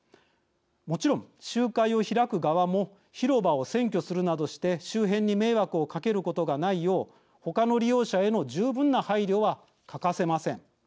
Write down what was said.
もちろん集会を開く側も広場を占拠するなどして周辺に迷惑をかけることがないよう他の利用者への十分な配慮も欠かせません。